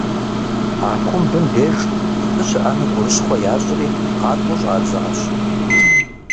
А кумбым деж псы щыӏэну гурыщхъуэ ящӏри къатӏу щӏадзащ.